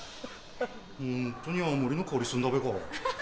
ホントに青森の香りすんだべか？